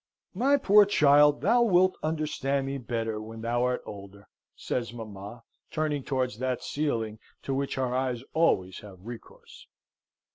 "My poor child, thou wilt understand me better when thou art older!" says mamma, turning towards that ceiling to which her eyes always have recourse.